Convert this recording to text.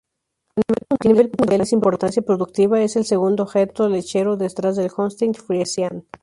A nivel mundial, en importancia productiva, es el segundo hato lechero, detrás del "Holstein-Friesian".